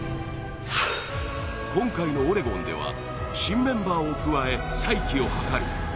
今回のオレゴンでは新メンバーを加え再起を図る。